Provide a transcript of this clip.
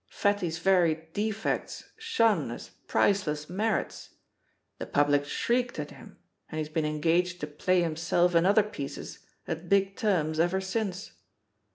Fatty's very defects shone as priceless merits. The public shrieked at him, and he's been engaged to play himself in other pieces, at big terms, ever since.